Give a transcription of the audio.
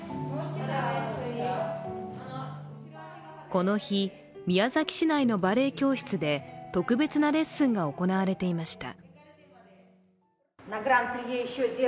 この日、宮崎市内のバレエ教室で特別なレッスンが行われていました。